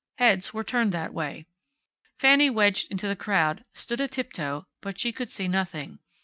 Heads were turned that way. Fanny, wedged in the crowd, stood a tiptoe, but she could see nothing.